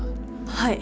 はい。